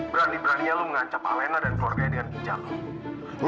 berani beraninya lo menghacap alena dan keluarganya dengan ginjal lo